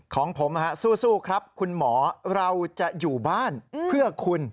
ของผมสู้ครับคุณหมอเราจะอยู่บ้านเพื่อคุณ